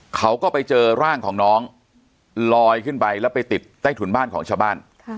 เขาก็ไปเจอร่างของน้องลอยขึ้นไปแล้วไปติดใต้ถุนบ้านของชาวบ้าน